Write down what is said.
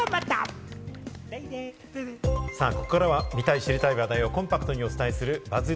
ここからは見たい、知りたい話題をコンパクトにお伝えするＢＵＺＺ